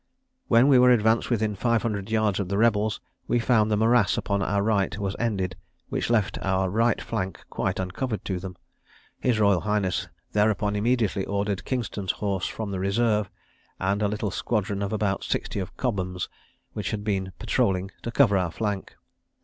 When we were advanced within 500 yards of the rebels, we found the morass upon our right was ended, which left our right flank quite uncovered to them; his Royal Highness thereupon immediately ordered Kingston's horse from the reserve, and a little squadron of about sixty of Cobham's, which had been patrolling, to cover our flank.